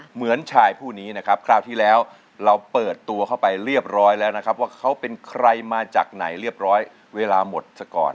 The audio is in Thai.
เหมือนชายผู้นี้นะครับคราวที่แล้วเราเปิดตัวเข้าไปเรียบร้อยแล้วนะครับว่าเขาเป็นใครมาจากไหนเรียบร้อยเวลาหมดสักก่อน